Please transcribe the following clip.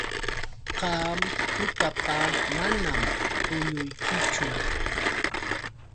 Qam tutapa manam puñuykichu.